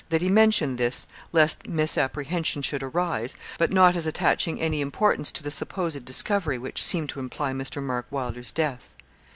That he mentioned this lest misapprehension should arise, but not as attaching any importance to the supposed discovery which seemed to imply Mr. Mark Wylder's death.